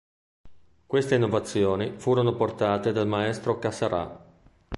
Queste innovazioni furono portate dal Maestro Cassarà.